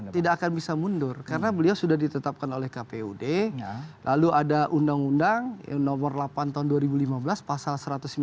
tidak akan bisa mundur karena beliau sudah ditetapkan oleh kpud lalu ada undang undang nomor delapan tahun dua ribu lima belas pasal satu ratus sembilan puluh